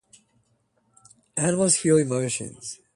Animals feel emotion.